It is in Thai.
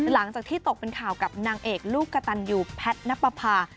หลังจากที่ตกเป็นข่าวกับนางเอกลูกกระตันยูแพทย์นับประพา